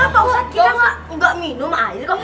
pak ustadz kita enggak minum air kok